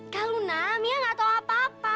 kak luna mia enggak tahu apa apa